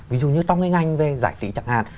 ví dụ như trong cái ngành về giải trí chẳng hạn